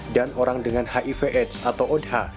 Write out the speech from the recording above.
dan orang dengan hiv aids atau odha